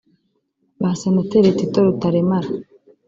Ba Senateri Tito Rutaremara